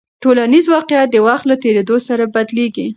ټولنیز واقیعت د وخت له تېرېدو سره بدلېږي.